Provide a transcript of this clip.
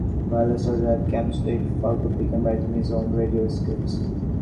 While a soldier at Camp Swift, Faulk began writing his own radio scripts.